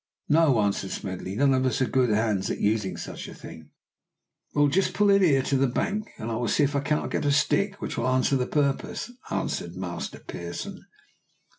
"No," answered Smedley; "none of us are good hands at using such a thing." "Well, just pull in here to the bank, and I will see if I cannot get a stick which will answer the purpose," answered Master Pearson.